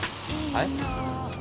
はい？